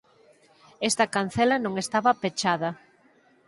Esta cancela non estaba pechada